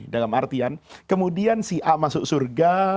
dalam artian kemudian si a masuk surga